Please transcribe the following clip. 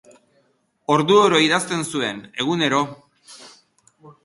Orduoro idazten zuen, egunero.